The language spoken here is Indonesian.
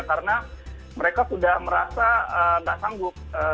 karena mereka sudah merasa nggak sanggup